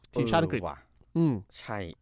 ทีมชาติอังกฤษ